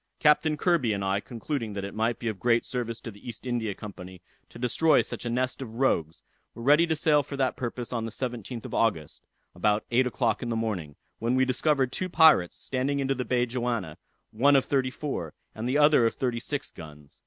Captain Kirby and I concluding that it might be of great service to the East India Company to destroy such a nest of rogues, were ready to sail for that purpose on the 17th of August, about eight o'clock in the morning, when we discovered two pirates standing into the bay Johanna, one of thirty four, and the other of thirty six guns.